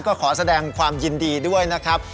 ก็ขอแสดงความยินดีด้วยนะครับ